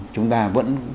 chúng ta vẫn